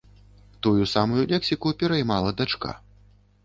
Тую самую лексіку пераймала дачка.